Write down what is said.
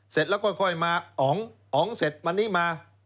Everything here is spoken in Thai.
เสร็จแล้วค่อยมาอ๋องอ๋องเสร็จวันนี้มา